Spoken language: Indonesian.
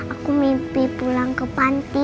aku mimpi pulang ke panti